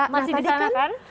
masih di tempat kan